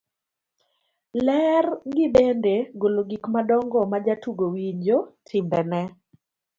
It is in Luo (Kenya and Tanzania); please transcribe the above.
ler gi bende golo gik madongo majatugo winjo, timbene